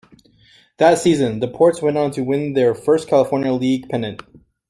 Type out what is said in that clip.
That season, the Ports went on to win their first California League pennant.